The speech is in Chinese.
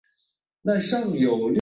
角色不清角色中断角色失败